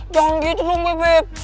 jangan gitu bebep